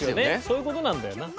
そういうことなんだよな。